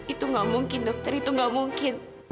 itu nggak mungkin dokter itu gak mungkin